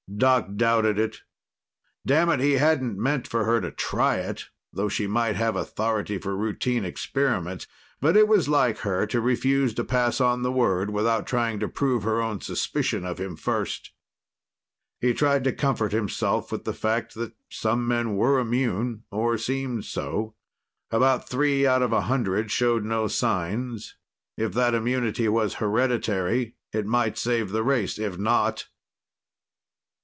Doc doubted it. Damn it, he hadn't meant for her to try it, though she might have authority for routine experiments. But it was like her to refuse to pass on the word without trying to prove her own suspicion of him first. He tried to comfort himself with the fact that some men were immune, or seemed so; about three out of a hundred showed no signs. If that immunity was hereditary, it might save the race. If not....